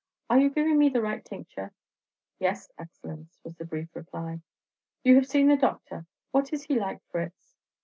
Are you giving me the right tincture?" "Yes, Excellenz," was the brief reply. "You have seen the doctor, what is he like, Fritz?"